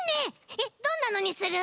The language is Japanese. えっどんなにする？